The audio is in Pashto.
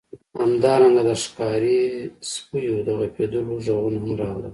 همدارنګه د ښکاري سپیو د غپیدلو غږونه هم راغلل